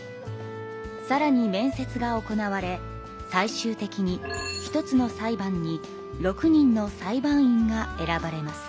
さらに面接が行われ最終的に１つの裁判に６人の裁判員が選ばれます。